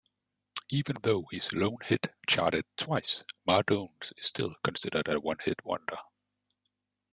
Even though his lone hit charted twice, Mardones is still considered a one-hit wonder.